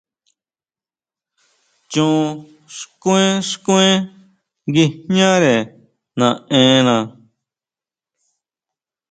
Chon xkuen, xkuen nguijñare naʼena.